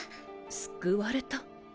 救われた？